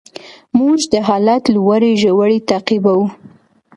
موږ د حالت لوړې ژورې تعقیبوو.